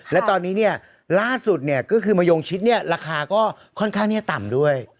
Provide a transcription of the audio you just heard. และตอนนี้ล่าสุดก็คือมะยองชิดราคาก็ค่อนข้างก็ต่ำด้วย